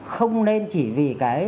không nên chỉ vì cái